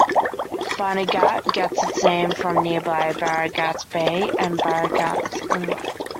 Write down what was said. Barnegat gets its name from nearby Barnegat Bay and Barnegat Inlet.